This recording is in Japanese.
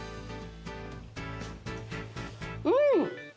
うん！